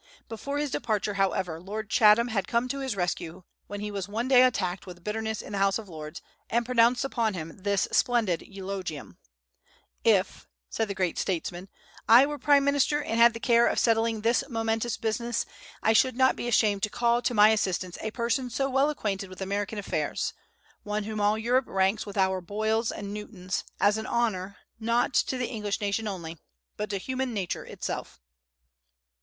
Before his departure, however, Lord Chatham had come to his rescue when he was one day attacked with bitterness in the House of Lords, and pronounced upon him this splendid eulogium: "If," said the great statesman, "I were prime minister and had the care of settling this momentous business, I should not be ashamed to call to my assistance a person so well acquainted with American affairs, one whom all Europe ranks with our Boyles and Newtons, as an honor, not to the English nation only, but to human nature itself."